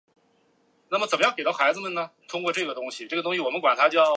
擅长以写实的手法拍摄德国的现实社会。